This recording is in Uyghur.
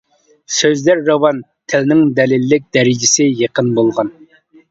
سۆزلەر راۋان، تىلنىڭ دەللىك دەرىجىسى يېقىن بولغان.